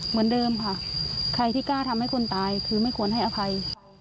เหมือนเดิมค่ะใครที่กล้าทำให้คนตายคือไม่ควรให้อภัย